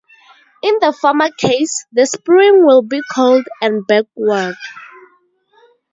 In the former case, the spring will be cold and backward.